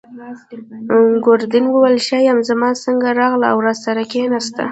ګوردیني وویل: ښه یم. زما څنګته راغلی او راسره کښېناست.